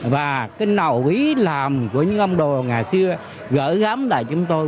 và cái nầu quý làm của những ông đồ ngày xưa gỡ gắm lại chúng tôi